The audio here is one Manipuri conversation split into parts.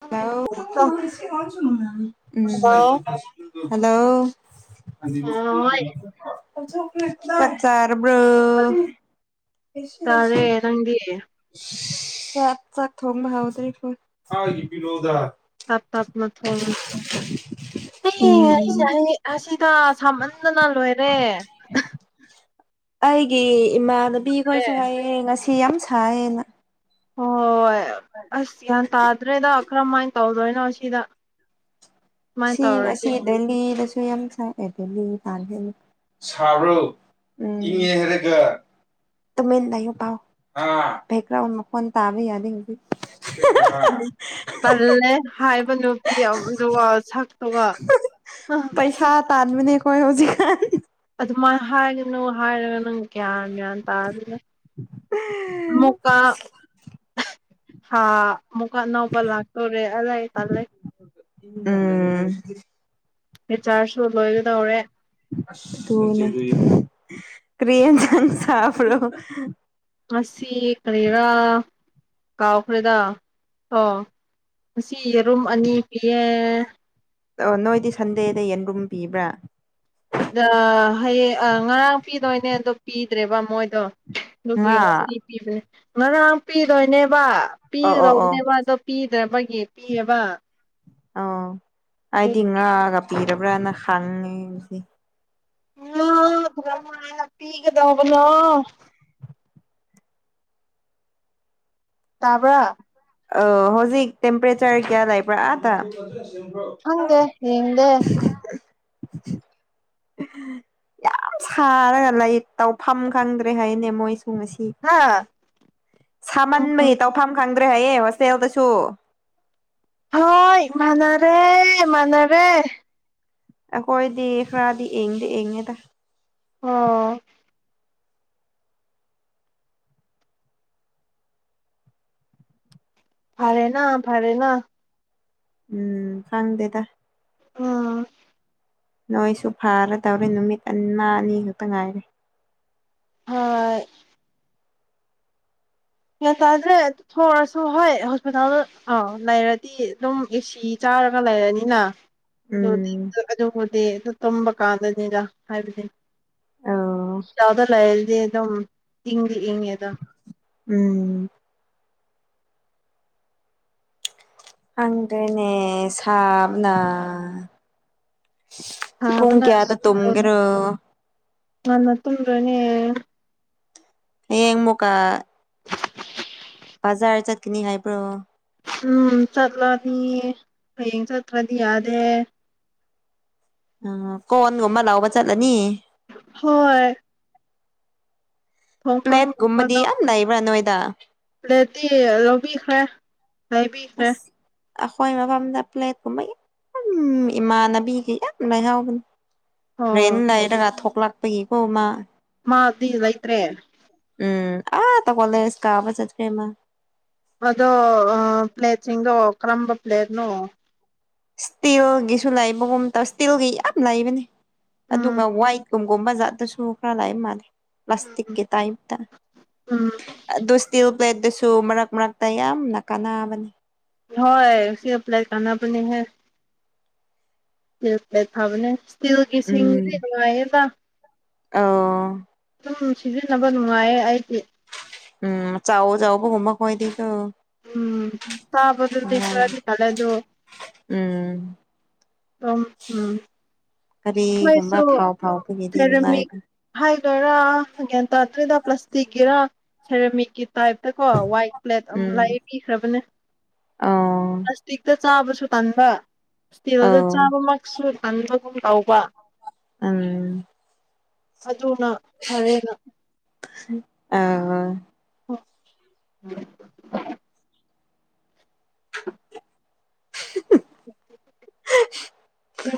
ꯍꯜꯂꯣ ꯅ ꯀꯦ ꯍꯣꯏ ꯀ ꯍꯜꯂꯣ ꯇꯥꯔꯦ ꯅꯪꯗꯤ [unintelligible] ꯆꯥꯛ ꯆꯥꯛ ꯊꯣꯡꯕ ꯍꯥꯎꯗ꯭ꯔꯦ ꯐꯣ ꯇꯥꯞ ꯇꯥꯞ ꯃꯊ ꯍꯒ ꯎꯝ ꯑꯦꯁꯦ ꯑꯩ ꯑꯁꯤꯗ ꯁꯃꯟꯗꯅ ꯂꯣꯏꯔꯦ ꯑꯩꯒꯤ ꯏꯃꯥꯟꯅꯕꯤꯈꯣꯏꯁꯨ ꯍꯥꯏꯌꯦ ꯉꯁꯤ ꯌꯥꯝ ꯁꯥꯏꯌꯦꯅ ꯍꯣꯏ ꯑꯁ ꯭ꯌꯥꯟ ꯇꯥꯗ꯭ꯔꯦꯗ ꯀꯔꯝꯃꯥꯏꯅ ꯇꯧꯗꯣꯏꯅꯣ ꯁꯤꯗ ꯁꯨꯃꯥꯏꯅ ꯁꯤ ꯇꯧꯔꯗꯤ ꯑꯁꯤ ꯗ ꯔ ꯍꯦꯔꯒ ꯇꯃꯤ ꯄꯥꯎꯦꯒ꯭ꯔ ꯐꯣꯟꯣꯟ ꯇꯕ ꯌꯥꯗ ꯍꯧ ꯑꯩꯗꯤ ꯄꯜꯂꯦ ꯍꯥꯏꯕ ꯅꯨꯄꯤꯗꯨ ꯁꯛꯇꯨꯒ ꯄꯩꯁꯥ ꯇꯥꯥꯟꯃꯤꯅꯦ ꯀꯣꯏ ꯍꯧꯖꯤ ꯑꯗꯨꯃꯥꯏꯅ ꯍꯥꯏꯒꯅꯨ ꯍꯥꯏꯔꯒ ꯅꯪ ꯀꯌꯥ ꯭ꯌꯥꯟ ꯇꯥꯗꯅ ꯃꯨꯀꯥ ꯍꯥꯥ ꯃꯨꯀꯥꯟ ꯑꯅꯥꯎꯄꯥ ꯂꯥꯛꯇꯣꯔꯣꯔꯦ ꯑꯂꯥꯏ ꯇꯂ ꯎꯝ ꯍ ꯆꯥꯔꯁꯨ ꯂꯣꯏꯒꯗꯧꯔꯦ ꯇ ꯀꯔꯤ ꯆꯟ ꯁꯥꯐꯣ ꯉꯁꯤ ꯀꯔꯤꯔꯥ ꯀꯥꯎꯈ꯭ꯔꯦꯗ ꯑꯣ ꯉꯁꯤ ꯌꯦꯔꯨꯝ ꯑꯅꯤ ꯄꯤꯌꯦ ꯑꯣ ꯅꯣꯏꯗꯤ ꯁꯟꯗꯦꯗ ꯌꯦꯟꯔꯨꯝ ꯄꯤꯕ꯭ꯔꯥ ꯍꯌꯦꯡ ꯉꯔꯥꯡ ꯄꯤꯗꯣꯏꯅꯦ ꯑꯗꯣ ꯄꯤꯗ꯭ꯔꯦꯕ ꯃꯣꯏꯗꯣ ꯑꯗꯨꯒꯤ ꯉꯥ ꯉꯁꯤ ꯄꯤꯕꯅꯦ ꯉꯔꯥꯡ ꯄꯤꯗꯣꯏꯅꯦꯕ ꯑꯣ ꯑꯣ ꯑꯣ ꯄꯤꯒꯗꯧꯕꯅꯦꯕ ꯑꯗꯣ ꯄꯤꯗ꯭ꯔꯕꯒꯤ ꯄꯤꯌꯦꯕ ꯑꯣ ꯍꯥꯏꯗꯤ ꯑꯗꯨꯒꯤ ꯉꯥꯒ ꯄꯤꯔꯕ꯭ꯔꯅ ꯈꯪꯉꯦ ꯑꯃ ꯄꯤꯒꯗꯕꯅꯣ ꯇꯥꯕ꯭ꯔ ꯑ ꯍꯧꯖꯤꯛ ꯇꯦꯝꯄꯔꯦꯆꯔ ꯀꯌꯥ ꯂꯥꯛꯏꯕ꯭ꯔꯥ ꯑꯥꯇ ꯈꯪꯗꯦ ꯌꯦꯡꯗꯦ [unintelligible] ꯌꯥꯝ ꯁꯥꯔꯒ ꯂꯩ ꯇꯧꯐꯝ ꯈꯪꯗ꯭ꯔꯦ ꯍꯥꯏꯅꯦ ꯃꯣꯏꯁꯦ ꯁꯤ ꯍꯥ ꯁꯥꯃꯟꯕꯒꯤ ꯇꯧꯐꯝ ꯈꯪꯗꯦ ꯦ ꯍꯥꯏꯌꯦ ꯍꯁꯦꯜꯗꯁꯨ ꯍꯣꯏ ꯃꯅꯔꯦ ꯃꯅꯔꯦ ꯑ ꯑꯩꯣꯏ ꯗꯈ ꯔꯥꯗꯤ ꯑꯦꯗ ꯑꯦꯉꯦꯗ ꯑꯣ ꯐꯔꯦꯅꯥ ꯐꯔꯦꯅꯥ ꯎꯝ ꯈꯪꯗꯦꯗ ꯑꯥ ꯅꯣꯏꯁꯨ ꯐꯥꯔ ꯇꯧꯔꯦ ꯅꯨꯃꯤꯠ ꯑꯅꯤ ꯈꯛꯇ ꯉꯥꯏꯔꯦ ꯑ ꯌꯥ ꯇꯥꯗ꯭ꯔꯦ ꯊꯔꯁꯨ ꯍꯣꯏ ꯍꯣꯁꯄꯤꯇꯥꯜꯗ ꯑꯥꯎ ꯂꯩꯔꯗꯤ ꯑꯗꯨꯝ ꯑꯦꯁꯤ ꯆꯥ ꯀꯔꯒ ꯂꯩꯔꯅꯤꯅ ꯑꯗꯨꯗꯤ ꯎꯝ ꯑꯗꯨꯕꯨꯗꯤ ꯑꯗꯨ ꯇꯨꯝꯕ ꯀꯥꯟꯗꯅꯤꯗ ꯍꯥꯏꯕꯕꯁꯤ ꯑꯣ ꯆꯗ ꯂꯥꯏꯗ ꯑꯦꯗ ꯏ ꯏ ꯑꯦꯗ ꯎꯝ ꯍꯪꯗ꯭ꯔꯦꯅꯦ ꯁꯥꯕꯅ ꯄꯨꯡꯨꯡ ꯁꯥꯕꯅ ꯀꯌꯥꯗ ꯇꯨꯒꯔ ꯅꯥꯟꯠꯇ꯭ꯔꯅꯦ ꯍꯌꯦꯡ ꯃꯨꯀꯥ ꯕꯖꯥꯔ ꯆꯠꯀꯅꯤ ꯍꯥꯏꯕ꯭ꯔꯣ ꯎꯝ ꯆꯠꯂꯅꯤ ꯍꯌꯦꯡ ꯆꯠꯇ꯭ꯔꯗꯤ ꯌꯥꯗꯦ ꯎ ꯀꯣꯟꯣꯟꯒꯨꯝꯕ ꯂꯥꯎꯕ ꯆꯠꯂꯅꯤ ꯍꯣꯏꯣꯏ ꯄ꯭ꯂꯦꯝꯀꯨꯝꯕꯗꯤ ꯌꯥꯝ ꯂꯩꯕꯕ꯭ꯔ ꯅꯣꯏ ꯔꯦꯠꯇꯤ ꯂꯧꯕꯤꯈ꯭ꯔꯦ ꯂꯩꯕꯤꯈ꯭ꯔꯦ ꯑꯈꯣꯏꯃꯥ ꯄꯥꯝꯗ ꯄ꯭ꯂꯦꯠꯀꯨꯝꯕꯩ ꯏꯃꯥꯟꯅꯕꯕꯤꯈ ꯌꯥꯝ ꯂꯩꯥꯏꯍꯥꯎꯕꯅꯤ ꯑꯣ ꯔꯦꯟꯦꯟ ꯂꯩꯏꯔꯒ ꯊꯣꯛꯂꯛꯄꯒꯤꯀꯣ ꯃꯥ ꯃꯥꯗꯤ ꯂꯩ ꯂꯩꯇ꯭ꯔꯦ ꯑꯥ ꯇ ꯀꯣꯂꯦꯖꯀꯕ ꯆꯠꯈꯦꯃ ꯑꯗꯣ ꯑ ꯄ꯭ꯂꯦꯁꯤꯒ ꯀ꯭ꯔꯝꯕ ꯄ꯭ꯂꯦꯔꯅ ꯏꯁꯇꯤꯜꯒꯤꯁꯨ ꯂꯩꯕꯒꯨꯝ ꯇꯧ ꯏꯁꯇꯤꯜꯒꯤ ꯌꯥꯝ ꯂꯩꯕꯅꯤ ꯎꯝ ꯑꯗꯨꯒ ꯋꯥꯏꯠꯀꯨꯝꯕ ꯑꯣꯒꯣꯕꯥꯗꯁꯨꯨꯈ꯭ꯔ ꯂ ꯂꯩ ꯃꯥꯜꯂꯤꯦ ꯂꯁꯇꯛꯦ ꯎꯝ ꯇꯥꯏꯇꯣꯁꯤ ꯄ꯭ꯂꯦꯠꯇꯁꯨ ꯃꯔꯛ ꯃꯔꯛꯇ ꯌꯥꯝꯅ ꯀꯥꯟꯕꯅꯤ ꯍꯣꯏ ꯁꯤ ꯑ꯭ꯂ ꯀꯅꯥ ꯄꯅꯤ ꯍꯥꯏ ꯏꯁꯤꯜ꯭ꯂ ꯐꯕꯅꯦ ꯏꯁꯇꯤꯜꯒꯤ ꯁꯤꯡꯗꯤ ꯅꯨꯡꯉꯥꯏꯌꯦꯕ ꯑ ꯑꯗꯨ ꯁꯤꯖꯤꯟꯅꯕ ꯅꯨꯡꯉꯥꯏꯌꯦ ꯑꯩꯗꯤ ꯎꯝ ꯆꯥꯎꯑꯣ ꯆꯥꯎꯕꯒꯨꯝꯃ ꯀ ꯑꯣꯏꯗꯤ ꯎꯝ ꯁꯥꯕꯗꯨꯗꯤ ꯅꯨꯡꯉꯥꯏ ꯈꯔꯗꯤ ꯀꯂꯦ ꯑꯗꯨ ꯎꯝ ꯑꯝ ꯎꯝ ꯀꯔꯤꯒꯨꯝꯕ ꯃꯣꯏꯁꯨ ꯊꯥꯎ ꯐꯥꯎꯕꯒꯤꯗꯤ ꯅꯨꯡꯉꯥꯏꯕ ꯔꯥ ꯍꯦꯟ ꯇꯠꯇ꯭ꯔꯦꯗ ꯄ꯭ꯂꯥꯁꯇꯤꯛꯀꯤꯔ ꯁꯦꯔꯃꯤꯛꯀꯤ ꯇꯥꯏꯞꯇ ꯀꯣ ꯋꯥꯏꯠ ꯄ꯭ꯂꯦꯠ ꯑꯃ ꯎꯝ ꯂꯥꯏ ꯄꯤꯈ꯭ꯔꯕꯅꯦ ꯑꯧ ꯄ꯭ꯂꯥꯁꯇꯤꯛꯇ ꯆꯥꯕꯁꯨ ꯇꯟꯥꯟꯕ ꯏꯁꯇꯤꯜꯗ ꯑꯧ ꯆꯥꯕꯃꯛꯁꯨ ꯈꯟꯗꯒꯨꯝ ꯇꯧꯕ ꯎꯝ ꯇꯅ ꯍꯔꯅ ꯑ ꯎꯝ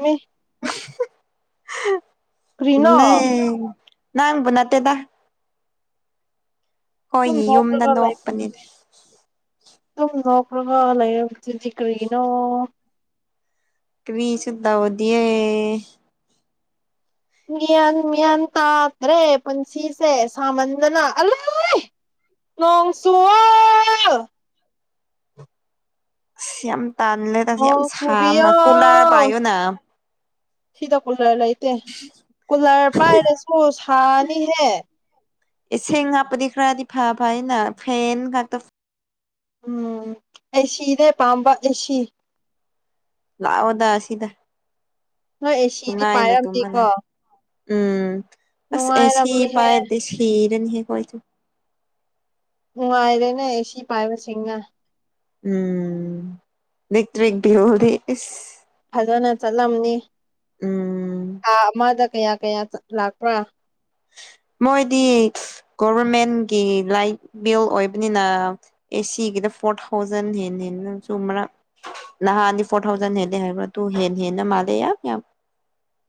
ꯃꯤ ꯀ꯭ꯔꯤꯅꯣ ꯂꯩ ꯅ ꯅꯥ ꯇꯦꯗ ꯑꯗꯨꯝ ꯍꯣꯏꯌꯦ ꯌꯨꯝꯗ ꯅꯣꯛꯄꯅꯤꯅ ꯁꯨꯝꯅꯣ ꯈ꯭ꯔ ꯈ ꯂꯩꯔꯗꯤꯗꯤꯤ ꯀꯔꯤꯒꯤꯅꯣ ꯀꯁꯨ ꯑꯣꯗ ꯗꯤꯌꯥ ꯃꯤꯌꯥꯟ ꯃꯤꯌꯥꯟ ꯇꯥꯗ꯭ꯔꯦ ꯄꯨꯟꯁꯤꯁꯦ ꯁꯥꯃꯟꯗꯅ ꯑꯂꯣꯏ ꯅꯣꯡꯁꯨꯨ ꯌꯥꯝ ꯇꯥꯟꯂꯦ ꯇꯁꯤ ꯌꯥꯝ ꯅꯣꯡ ꯁꯝ ꯆꯨꯕꯤꯌꯣ ꯀꯂꯥ ꯄꯥꯏꯌꯣꯅ ꯁꯤꯗ ꯀꯨꯂꯔ ꯂꯩꯇꯦ ꯀꯨꯂꯔ ꯄꯥꯏꯔꯁꯨ ꯁꯥꯅꯤꯍꯦ ꯏꯁꯤꯡ ꯍꯥꯞꯄꯗꯤ ꯈꯔꯗꯤ ꯐ ꯐ ꯍꯥꯏꯅ ꯐꯦꯟ ꯉꯥꯛꯇ ꯎꯝ ꯑꯦꯁꯤꯅꯦ ꯄꯥꯝꯕ ꯑꯦꯁꯤ ꯂꯥꯛꯑꯣꯗ ꯑꯁꯤꯗ ꯍꯣꯏ ꯑꯦ ꯁꯤꯗꯤ ꯅꯨꯡꯉꯥꯏꯅ ꯄꯥꯏꯔꯝꯗꯤꯦꯀꯣ ꯇꯨꯝꯕꯅ ꯎꯝ ꯑꯁ ꯑꯦꯁꯤ ꯄꯥꯏꯗꯤꯁꯤꯤꯔꯅꯤ ꯍ ꯀꯣꯏꯁꯨ ꯨꯡꯉ ꯑꯥꯏꯔꯦꯅꯦ ꯑꯦꯁꯤ ꯄꯥꯏꯕ ꯁꯤꯁꯤꯡꯉ ꯎꯝ ꯅꯇꯕꯤ ꯐꯖꯅ ꯆꯠꯂꯝꯅꯤ ꯎꯝ ꯊꯥ ꯑꯃꯗ ꯀꯌꯥ ꯀꯌꯥ ꯂꯥꯛꯄ꯭ꯔꯥ [inaudible] [unintelligible] ꯃꯣꯏꯗꯤ ꯒꯣꯚꯔꯃꯦꯟꯒꯤ ꯂꯥꯏꯠ ꯕꯤꯜ ꯑꯣꯏꯕꯅꯤꯅ ꯑꯦꯁꯤꯒꯤꯗ ꯐꯣꯔ ꯊꯥꯎꯖꯟ ꯆ꯭ꯔ ꯅꯍꯥꯟꯅꯤ ꯐꯣꯔ ꯊꯥꯎꯖꯟ ꯍꯦꯂꯦ ꯍꯥꯏꯕ꯭ꯔ ꯇꯨ ꯍꯦꯟ ꯍꯦꯟꯅ ꯃꯥꯂꯦ ꯌꯥꯝ ꯌꯥꯝ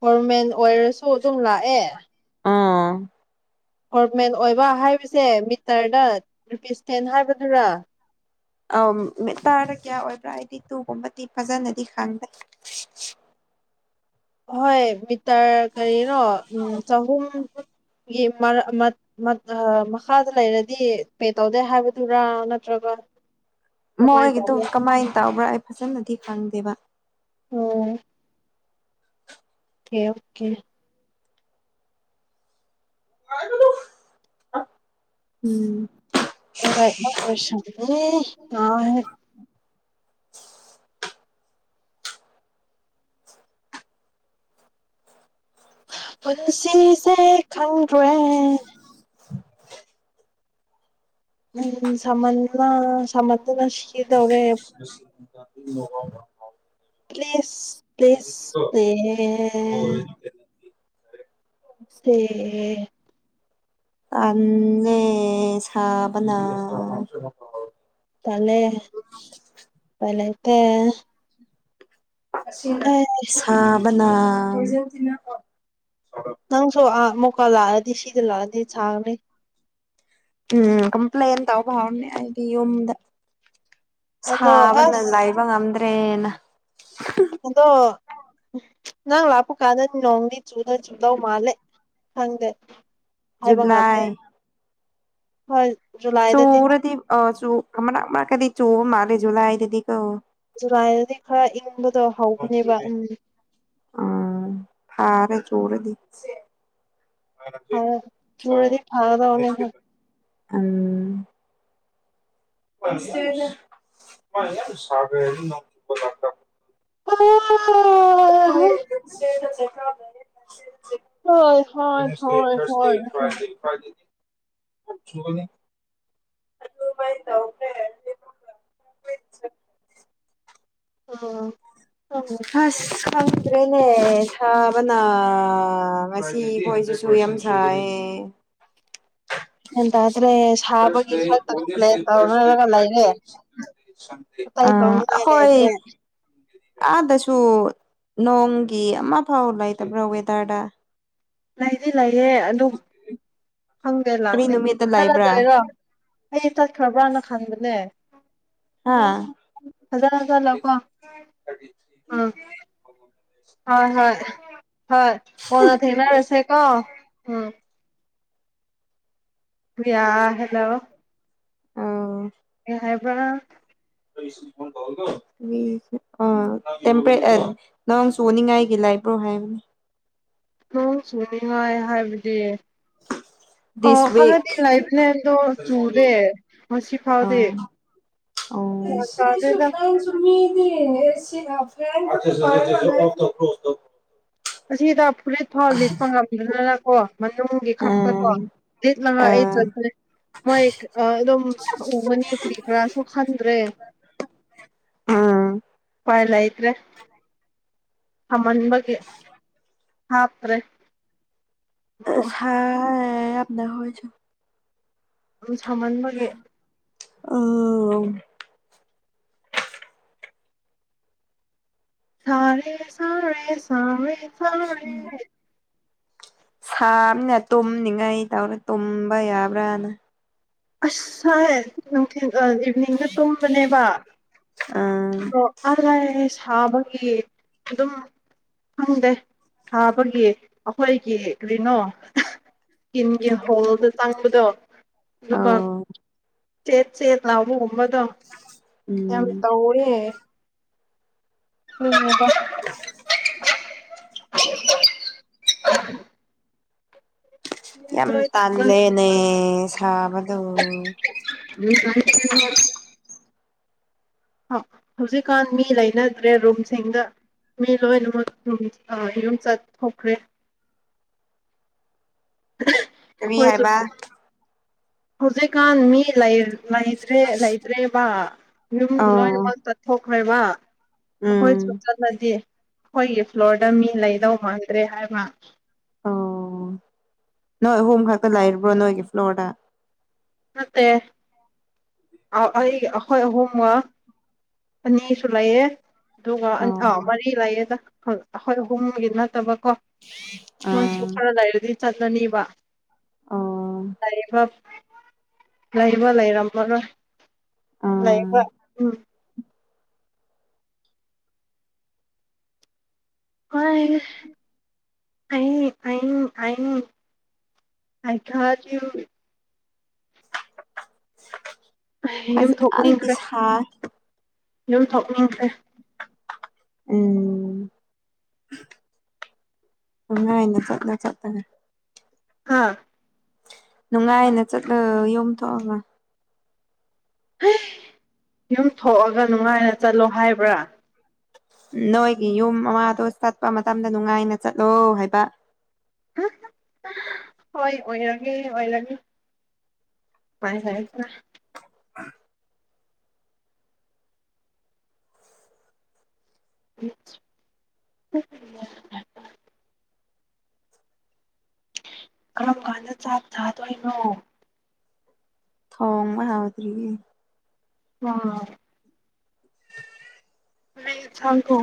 ꯒꯣꯔꯃꯦꯟ ꯑꯣꯏꯔꯁꯨ ꯑꯗꯨꯝ ꯂꯥꯛꯑꯦ ꯑꯥ ꯀꯣꯔꯣꯔꯃꯦꯟ ꯑꯣꯏꯕ ꯍꯥꯏꯕꯁꯦ ꯃꯤꯇꯔꯗ ꯔꯔꯤꯄꯤꯁꯇꯦꯟ ꯍꯥꯏꯕꯗꯨꯔꯥ ꯑ ꯇꯥꯗ ꯀꯌꯥ ꯑꯣꯏꯕ꯭ꯔꯥ ꯍꯥꯏꯗꯤ ꯇꯨꯒꯨꯝꯕꯗꯤ ꯐꯖꯅꯗꯤ ꯈꯪꯗꯩ [inaudible] [unintelligible] ꯍꯣꯏ ꯃꯤꯇꯔ ꯀꯔꯤꯅꯣ ꯎꯝ ꯆꯍꯨꯝꯒꯤ ꯃꯈꯥꯗ ꯂꯩꯔꯗꯤ ꯄꯦ ꯇꯧꯗꯦ ꯍꯥꯏꯕꯗꯨꯔꯥ ꯅꯠꯇ꯭ꯔꯒ [inaudible] [unintelligible] ꯃꯣꯏꯒꯤꯗꯨ ꯇꯧꯒꯦ ꯀꯃꯥꯏꯅ ꯇꯧꯕ꯭ꯔꯥ ꯑꯩ ꯐꯖꯅꯗꯤ ꯈꯪꯗꯦꯕ ꯑꯣ ꯊ ꯑꯣꯀꯦ ꯋꯥꯒ ꯃ ꯄ꯭ꯔꯁ ꯑ ꯄꯨꯟꯁꯤꯁꯦ ꯈꯪꯦ ꯎꯝ ꯁꯃꯅ ꯁꯃꯟꯠꯇꯅ ꯁꯤꯗꯧꯔꯦ [inaudible] [unintelligible] ꯄ꯭ꯂꯦꯁ ꯄ꯭ꯂꯦꯁ ꯄ꯭ꯂꯦ ꯁꯤ ꯑ ꯁꯥꯕꯅ ꯄꯂꯦ ꯄꯂꯦꯇ ꯁꯥꯥꯕꯅꯥ ꯅꯪꯁꯨ ꯑꯥ ꯃꯨꯀꯥ ꯂꯥꯛꯑꯗꯤ ꯁꯤꯗ ꯂꯥꯛꯑꯗꯤ ꯁꯥꯡꯅꯤ ꯎꯝ ꯀꯝꯄ꯭ꯂꯦꯟꯦꯟ ꯇꯧꯕꯥꯎꯅꯤ ꯍꯥꯏꯗꯤ ꯌꯨꯝꯗ ꯑꯗꯣ ꯁꯥꯕꯅ ꯑꯁ ꯂꯥꯏꯕ ꯉꯝꯗ꯭ꯔꯦꯅ ꯑꯗꯣ ꯅꯪ ꯂꯄ ꯀꯥꯗꯅꯤ ꯅꯣꯪꯗꯤ ꯆꯨꯗ ꯆꯨꯗ ꯃꯥꯂꯦ ꯍꯒꯦ ꯅꯥꯥꯏ ꯍꯣꯏ ꯖꯨꯂꯥꯏꯗꯗꯤ ꯆꯣꯔꯗꯤ ꯆ ꯃ ꯑ ꯀꯗꯤ ꯆꯣ ꯃꯥꯂ ꯨꯂꯥꯏꯗꯗꯤ ꯀ ꯨꯔꯥꯏꯅꯗꯤ ꯈꯔ ꯏꯪꯕꯗꯣ ꯍꯧꯒꯅꯦꯕ ꯎꯝ ꯆꯣꯔꯗꯤ ꯍ ꯃꯔꯦꯗꯤ ꯊꯥꯔꯗ ꯑꯣꯅꯦ ꯎꯝ ꯄ ꯑꯗꯨ [inaudible] ꯍꯣꯏ ꯍꯣꯏ ꯍꯣꯏ ꯍꯁ ꯍꯣꯏ ꯐꯁꯤ ꯍꯣꯏ ꯐꯥ ꯍꯣꯏ ꯐꯥꯗꯤ [inaudible] [inaudible] ꯑ ꯍꯁ ꯁꯪꯗ꯭ꯔꯦꯅꯦ ꯁꯥꯕꯅ ꯉꯁꯤ ꯐꯣꯏꯁꯤꯁꯨ ꯌꯥꯝ ꯁꯥꯏꯌꯦ ꯎ [inaudible] ꯁꯥꯕꯒꯤ ꯔꯁ ꯈꯛꯇ ꯀꯝꯄ꯭ꯂꯦꯟ ꯂꯩꯁꯇꯔꯁ ꯂꯩ ꯇꯧꯅꯔꯒ ꯐ ꯁꯦ ꯀꯃꯥꯏꯂꯗ꯭ꯔꯦ ꯑꯥꯗꯁꯨ ꯅꯣꯡꯒꯤ ꯑꯃ ꯐꯥꯎ ꯂꯩꯇꯕ꯭ꯔꯣ ꯋꯦꯗꯔꯗ ꯂꯩꯗꯤ ꯂꯩꯔꯦ ꯑꯗꯨꯝ ꯈꯪꯗꯦ ꯀꯔꯤ ꯂꯥꯛꯀꯦ ꯅꯨꯃꯤꯠꯇ ꯂꯩꯕ꯭ꯔꯥ ꯆꯠꯂꯗꯣꯏꯔꯣ ꯑꯩ ꯆꯠꯈ꯭ꯔꯕ꯭ꯔꯅ ꯈꯟꯕꯅꯦ ꯍꯥ ꯍꯖꯥ ꯂꯥꯛ ꯀꯣ ꯑꯥ ꯍꯣꯏ ꯍꯣꯏ ꯍꯣꯏ ꯑꯣꯅ ꯊꯅꯔꯁ ꯀꯣ ꯎꯝ ꯌꯥ ꯍꯂꯣ ꯑꯣ ꯍꯥꯏꯕ꯭ꯔꯥ ꯑ ꯇꯄꯔꯦ ꯅꯪ ꯁꯅꯤꯡꯉꯥꯏꯒꯤ ꯂꯥꯏꯕ ꯣ ꯍꯥꯏ ꯅꯪ ꯁꯨꯅꯤꯉꯥꯏ ꯍꯥꯏꯕꯗꯤ ꯑꯣ ꯗꯤꯁ ꯍꯅꯗꯤ ꯋꯤꯛ ꯂꯥꯏꯞ ꯂꯦꯟꯗꯣ ꯆꯨꯔꯦ ꯉ ꯑ ꯐꯥꯎꯗꯤꯦ ꯑꯣ [inaudible] ꯑꯁꯤꯗ ꯐꯨꯔꯤꯠ ꯐꯥꯎ ꯂꯤꯠꯄ ꯉꯝꯗꯗꯅꯀꯣ ꯃꯅꯨꯡꯒꯤ ꯈꯛꯇꯀꯣ ꯌꯦꯠ ꯂꯉ ꯃꯣꯏ ꯑꯗꯨꯝ ꯎꯒꯅꯤ ꯀꯔꯤ ꯀꯔꯥꯁꯨ ꯈꯟꯗ꯭ꯔꯦ ꯐꯥꯏ ꯂ ꯏꯇ꯭ꯔꯦ ꯃꯟꯕꯒ ꯍꯥꯄ꯭ꯔꯦ ꯁ ꯑꯅ ꯍꯁꯨ ꯑꯗꯨꯝ ꯁꯝꯍꯟꯕꯒꯦ ꯑ ꯁꯔꯦ ꯁꯔꯦ ꯁꯔꯦ ꯎꯝ ꯁꯥꯅ ꯇꯨꯝꯅꯤꯡꯉꯥꯏ ꯇꯧꯔ ꯇꯨꯝꯕ ꯌꯥꯕ꯭ꯔꯥꯅ ꯑꯁꯥ ꯍꯥꯏ ꯀ ꯏꯚꯅꯤꯡꯗ ꯇꯣꯡꯕꯅꯦꯕ ꯑꯥ ꯑꯗ ꯑꯔꯥꯏ ꯊꯥꯕꯒꯤ ꯑꯗꯨꯝ ꯈꯪꯗꯦ ꯁꯥꯕꯒꯤ ꯑꯩꯈꯣꯏꯒꯤ ꯀꯩꯅꯣ ꯀꯤꯟꯒꯤ ꯍꯣꯁ ꯆꯥꯡꯕꯗꯣ ꯑꯗꯨꯄꯥ ꯑꯧ ꯁꯦꯠ ꯁꯦꯠ ꯂꯥꯎꯕ ꯑꯗꯣ ꯌꯥꯝ ꯎꯝ ꯇ ꯑꯣꯏ ꯎꯝ ꯍꯗ ꯌꯥꯝ ꯂꯣꯏ ꯆꯠꯂ ꯇꯥꯜꯂꯦꯅꯦ ꯁꯥꯕꯗꯣ [inaudible] ꯍꯧꯖꯤꯛꯀꯥꯟ ꯃꯤ ꯂꯩꯅꯗ꯭ꯔꯦ ꯔꯨꯝꯁꯤꯡꯗ ꯃꯤ ꯂꯣꯏꯅꯃꯛ ꯌꯨꯝ ꯆꯠꯊꯈ꯭ꯔꯦ [inaudible] ꯀꯔꯤ ꯍꯥꯏꯕ ꯍꯧꯖꯤꯛꯀꯥꯟ ꯃꯤ ꯂꯩ꯭ꯔꯦ ꯂꯩꯇ꯭ꯔꯦꯕ ꯌꯨꯝ ꯂꯣꯏ ꯑꯣ ꯂꯣꯟ ꯆꯠꯊꯣꯛ ꯑꯩꯈꯣꯏꯕ ꯑꯩꯈꯣꯏꯁꯨ ꯎꯝ ꯆꯠꯂꯗꯤ ꯑꯩꯈꯣꯏꯒꯤ ꯐ꯭ꯂꯣꯔ ꯗ ꯃꯤ ꯂꯩꯗꯧ ꯃꯥꯟꯗ꯭ꯔꯦ ꯍꯥꯏꯕ ꯑꯣ ꯅꯣꯏ ꯑꯍꯣꯨꯝ ꯈꯛꯇ ꯂꯩꯔꯕ꯭ꯔꯣ ꯅꯣꯏꯒꯤ ꯐ꯭ꯂꯣꯔꯗ ꯃꯠꯇꯦ ꯑꯩ ꯑꯩꯈꯣꯏ ꯑꯍꯨꯝꯒ ꯑꯅꯤꯁꯨ ꯂꯩꯌꯦ ꯑꯗꯨꯒ ꯑꯣ ꯃꯔꯤ ꯂꯩꯌꯦꯦꯗ ꯑꯩꯈꯣꯏ ꯑꯍꯨꯝꯒꯤ ꯅꯠꯇꯕ ꯀꯣ ꯅꯣꯏꯁꯨ ꯑꯥ ꯈꯔ ꯂꯩꯔꯗꯤ ꯆꯠꯂꯅꯤꯕ ꯑꯣ ꯇꯔꯦ ꯐ ꯂꯩꯔꯕ ꯂꯩꯔꯝꯕ ꯑꯥ ꯂꯩꯕ ꯎꯝ ꯍ ꯑꯩ ꯑꯩ ꯑꯩ ꯑꯩ ꯈꯖꯤ ꯌ ꯐꯖꯅꯗꯤ ꯊꯣꯛꯅꯤꯡꯈ꯭ꯔꯦ ꯁꯥꯏ ꯌ ꯊꯣꯛꯅꯤꯡꯈ꯭ꯔꯦ ꯎꯝ ꯎꯉꯅ ꯆꯠꯅ ꯆꯠꯇ ꯍꯥꯥ ꯅꯨꯡꯉꯥꯏꯅ ꯆꯠꯂ ꯌꯣꯝꯊꯣꯛꯑꯒ ꯌꯨꯝ ꯊꯣꯛꯑꯒ ꯅꯨꯡꯉꯥꯏꯅ ꯆꯠꯂꯣ ꯍꯥꯏꯕ꯭ꯔꯥ ꯅꯣꯏꯒꯤ ꯌꯨꯝ ꯑꯃꯗꯣ ꯆꯠꯄ ꯃꯇꯝꯗ ꯅꯨꯡꯉꯥꯏꯅ ꯆꯠꯂꯣ ꯍꯥꯏꯕ ꯍꯣꯏ ꯑꯣꯏꯔꯒꯦ ꯑꯣꯏꯔꯒꯦ ꯍꯥꯏ ꯇ ꯎ [inaudible] ꯀꯔꯝ ꯀꯥꯟꯗ ꯆꯥꯛ ꯊꯥꯗꯣꯏꯅꯣ ꯊꯣꯡꯉ ꯌꯥꯥꯎꯗꯔꯤ ꯑ ꯅꯁꯪ ꯀ